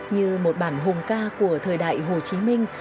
như một bản hùng ca của thời đại hồ chí minh